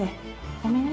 ごめんね。